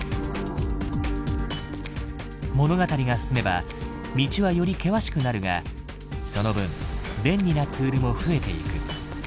物語が進めば道はより険しくなるがその分便利なツールも増えていく。